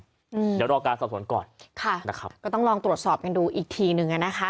เดี๋ยวรอการสอบสวนก่อนค่ะนะครับก็ต้องลองตรวจสอบกันดูอีกทีหนึ่งอ่ะนะคะ